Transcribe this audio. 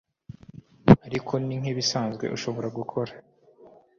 Ariko ni nkibisanzwe ushobora gukora